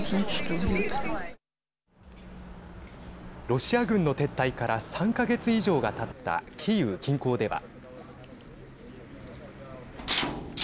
ロシア軍の撤退から３か月以上がたったキーウ近郊では。